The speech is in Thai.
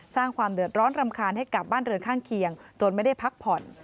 สร้างความเดือดร้อนรำคาญให้กับบ้านเรือนข้างเคียงจนไม่ได้พักผ่อน